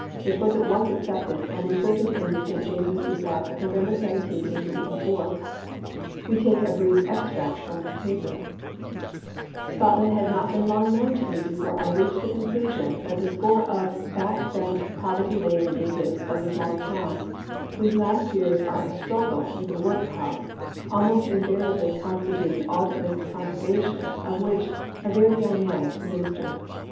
It was at once accepted and inserted in the St, James's Gazette of November 17, 1884. We take a brief extract from this paper: Scotland had not been long known to me before I reached the conclusion that the score of back bent, poverty laden natives of the smaller towns, whose last years are a struggle with the workhouse, almost invari ably constitute an Auld Licht congregation of which A iitry young man is the minister.